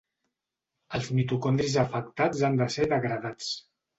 Els mitocondris afectats han de ser degradats.